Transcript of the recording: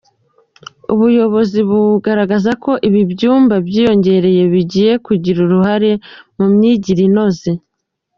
Ubuyobozi bugaragaza ko ibi byumba byiyongereye bigiye kugira ruhare mu myigire inoze.